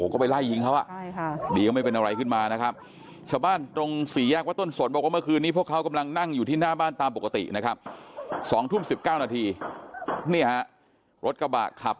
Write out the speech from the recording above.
ก็เป็นเหตุการณ์อย่างนั้นล่ะคือก็นำยิงเขาใส่กันเลยนะฮะ